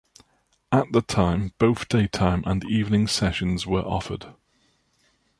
At the time, both daytime and evening sessions were offered.